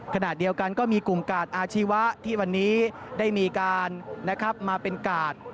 ขณะเดียวกันก็มีกลุ่มกาดอาชีวะที่วันนี้ได้มีการมาเป็นกาด